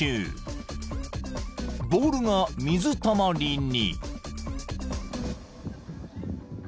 ［ボールが水たまりに］